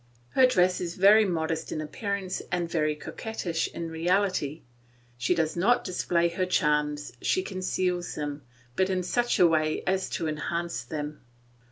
Her dress is very modest in appearance and very coquettish in reality; she does not display her charms, she conceals them, but in such a way as to enhance them.